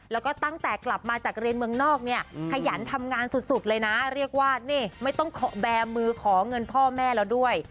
แล้วก็ตั้งแต่กลับมาจากเรียนเมืองนอกเนี่ยขยันทำงานสุดเลยนะเรียกว่านี่ไม่ต้องขอแบร์มือขอเงินพ่อแม่แล้วด้วย